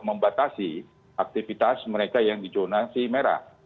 membatasi aktivitas mereka yang diconasi merah